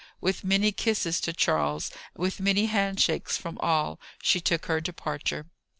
With many kisses to Charles, with many hand shakes from all, she took her departure.